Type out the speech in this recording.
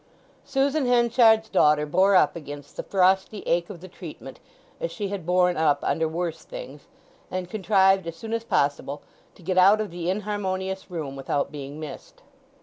Susan Henchard's daughter bore up against the frosty ache of the treatment, as she had borne up under worse things, and contrived as soon as possible to get out of the inharmonious room without being missed.